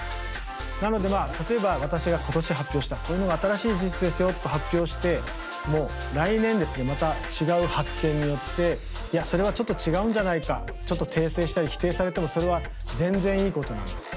なのでまあ例えば私が今年発表したこういうのが新しい事実ですよと発表しても来年ですねまた違う発見によっていやそれはちょっと違うんじゃないかちょっと訂正したり否定されてもそれは全然いいことなんです。